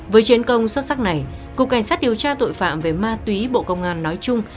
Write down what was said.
với chiến công xuất sắc này cục cảnh sát điều tra tội phạm về ma túy bộ công an nói chung